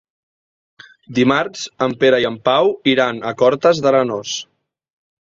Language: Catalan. Dimarts en Pere i en Pau iran a Cortes d'Arenós.